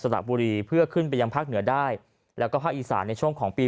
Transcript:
สระบุรีเพื่อขึ้นไปยังภาคเหนือได้แล้วก็ภาคอีสานในช่วงของปี